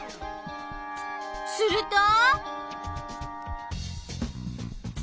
すると！？